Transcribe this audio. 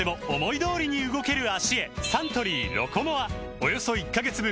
およそ１カ月分